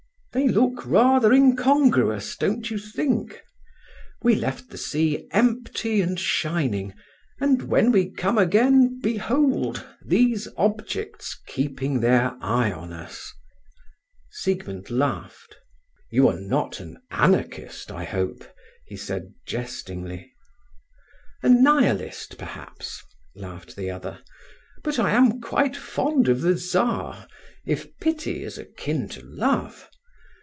"They look rather incongruous, don't you think? We left the sea empty and shining, and when we come again, behold, these objects keeping their eye on us!" Siegmund laughed. "You are not an Anarchist, I hope?" he said jestingly. "A Nihilist, perhaps," laughed the other. "But I am quite fond of the Czar, if pity is akin to love.